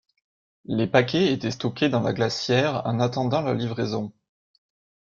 Les paquets étaient stockés dans la glacière en attendant la livraison.